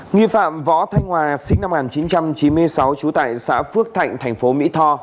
nghi phạm võ thanh hòa sinh năm một nghìn chín trăm chín mươi sáu trú tại xã phước thạnh thành phố mỹ tho